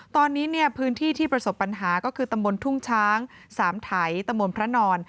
ตอนนี้เนี่ยพื้นที่ที่ประสบปัญหาก็คือตำบลทุ่งช้างสามไถตำบลพระนอน